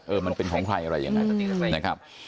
เออมันเป็นของใครอะไรอย่างนี้นะครับ